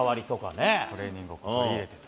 トレーニングを取り入れて。